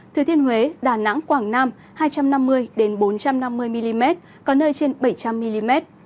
thừa thiên huế đà nẵng quảng nam hai trăm năm mươi bốn trăm năm mươi mm có nơi trên bảy trăm linh mm